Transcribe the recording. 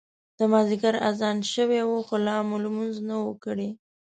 د مازیګر اذان شوی و خو لا مو لمونځ نه و کړی.